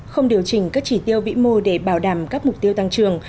không điều chỉnh các chỉ tiêu vĩ mô để bảo đảm các mục tiêu tăng trưởng